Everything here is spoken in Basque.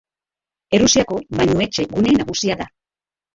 Errusiako bainu-etxe gune nagusia da.